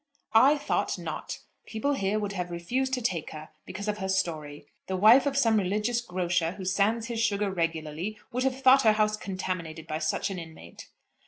"I thought not. People here would have refused to take her, because of her story. The wife of some religious grocer, who sands his sugar regularly, would have thought her house contaminated by such an inmate."